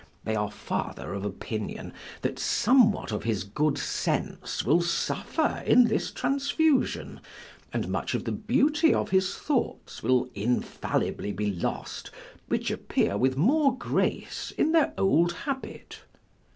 They are farther of opinion that somewhat of his good sense will suffer in this transfusion, and much of the beauty of his thoughts will infallibly be lost, which appear with more grace in their old habit.